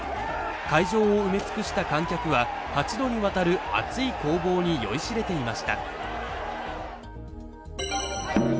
会場を埋め尽くした観客は８度にわたる熱い攻防に酔いしれていました。